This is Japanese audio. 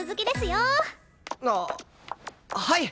あっはい！